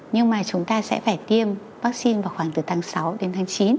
nhưng mà chúng ta sẽ phải tiêm vaccine vào khoảng từ tháng sáu đến tháng chín